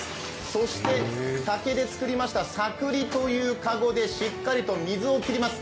そして竹で作りましたさくりという籠でしっかりと水を切ります。